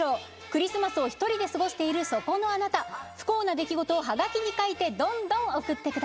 クリスマスを１人で過ごしているそこのあなた不幸な出来事をはがきに書いてどんどん送ってください。